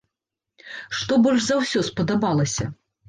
Што больш за ўсё спадабалася?